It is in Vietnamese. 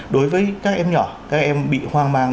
đối với các em nhỏ các em bị hoang mang